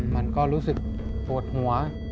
มันก็รู้สึกปวดหัว